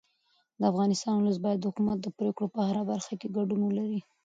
د افغانستان ولس باید د حکومت د پرېکړو په هره برخه کې ګډون ولري